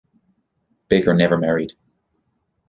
Baker never married.